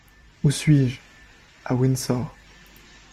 Où suis-je? à Windsor.